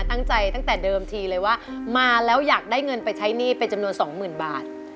ตั้งใจตั้งแต่เดิมทีเลยว่ามาแล้วอยากได้เงินไปใช้หนี้เป็นจำนวน๒๐๐๐๐บาท